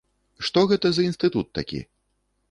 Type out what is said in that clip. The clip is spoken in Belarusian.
Што гэта за інстытут такі?